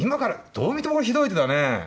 どう見てもこれひどい手だね。